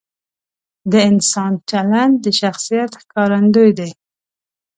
د انسان چلند د شخصیت ښکارندوی دی.